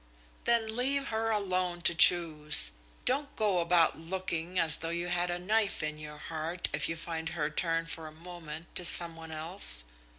"Then leave her alone to choose. Don't go about looking as though you had a knife in your heart, if you find her turn for a moment to some one else.